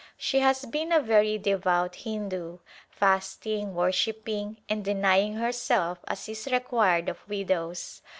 She has been a very devout Hindu, fasting, worshipping, and denying her self as is required of widows.